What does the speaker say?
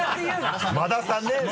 馬田さんね。